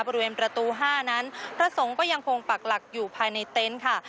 บริเวณประตู๕นั้นพระสงฆ์ก็ยังคงปักหลักอยู่ภายในเต็นต์ค่ะ